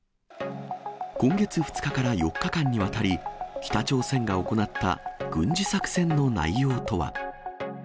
今月２日から４日間にわたり、北朝鮮が行った軍事作戦の内容とは。